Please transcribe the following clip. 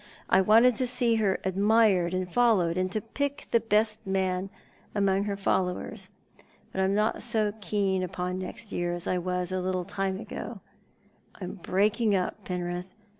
I wanted to see her admired and followed, and to pick the best man among her followers. But I'm not so keen npon next year as I was a little time ago. I'm breaking up, Penrith.